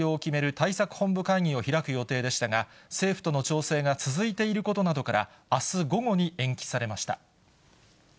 対策本部会議を開く予定でしたが、政府との調整が続いていることなどから、あす午後に延期されました。